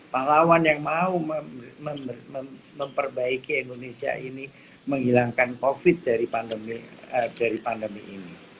pahlawan yang mau memperbaiki indonesia ini menghilangkan covid dari pandemi ini